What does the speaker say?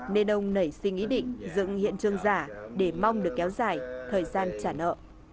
nên ông nảy sinh ý định dựng hiện trường giả để mong được kéo dài thời gian trả nợ